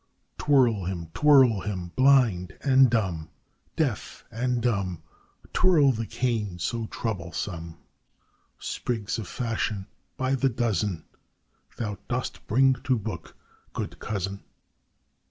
Twirl him! twirl him! blind and dumb Deaf and dumb, Twirl the cane so troublesome! Sprigs of fashion by the dozen Thou dost bring to book, good cousin.